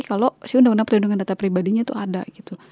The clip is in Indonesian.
kalau si undang undang perlindungan data pribadinya itu ada gitu